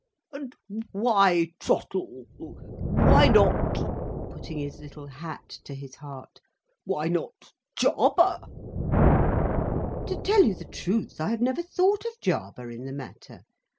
"And why Trottle? Why not," putting his little hat to his heart; "why not, Jarber?" "To tell you the truth, I have never thought of Jarber in the matter.